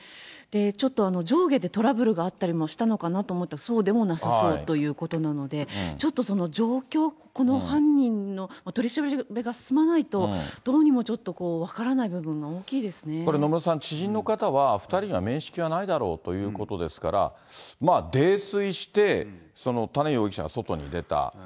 ちょっと上下でトラブルがあったりもしたのかなと思ったら、そうでもなさそうということなので、ちょっと状況、この犯人の取り調べが進まないと、どうにもちょっと分からない部分これ、野村さん、知人の方は２人には面識がないだろうということですから、泥酔して、多禰容疑者が外に出た。